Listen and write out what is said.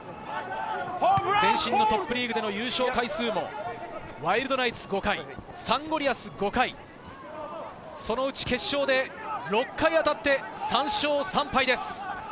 前身のトップリーグでの優勝回数もワイルドナイツ５回、サンゴリアス５回、そのうち決勝で６回当たって３勝３敗です。